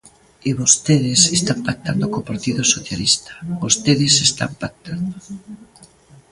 E vostedes están pactando co Partido Socialista, vostedes están pactando.